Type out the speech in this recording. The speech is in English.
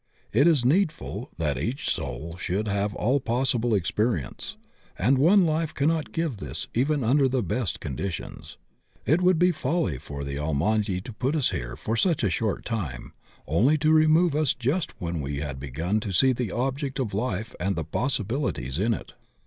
It is needful that eacn soul should have aU possible experience, and one life cannot give this even under the best conditions. It would be folly for the Almighty to put us here for such a short time, only to remove us just when we had begun to see the object of life and the possibilities in it.